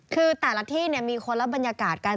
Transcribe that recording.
คือแต่ละที่มีคนละบรรยากาศกัน